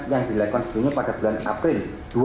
yang dilakukan sebelumnya pada bulan april dua ribu dua puluh